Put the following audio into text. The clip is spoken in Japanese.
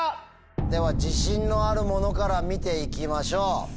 では自信のあるものから見ていきましょう。